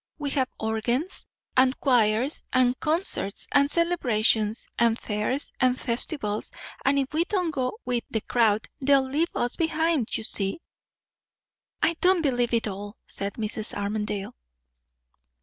We have organs, and choirs, and concerts, and celebrations, and fairs, and festivals; and if we don't go with the crowd, they'll leave us behind, you see." "I don't believe in it all!" said Mrs. Armadale.